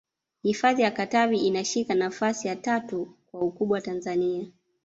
hifadhi ya katavi inashika nafasi ya tatu kwa ukubwa tanzania